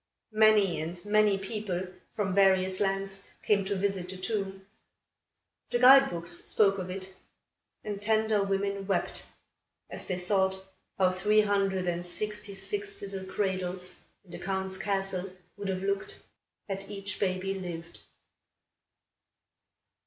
Many and many people from various lands came to visit the tomb. The guide books spoke of it, and tender women wept, as they thought how three hundred and sixty six little cradles, in the Count's castle, would have looked, had each baby lived.